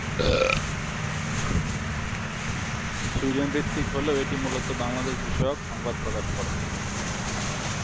সুইডেন-ভিত্তিক হলেও এটি মূলত বাংলাদেশ-বিষয়ক সংবাদ প্রকাশ করে।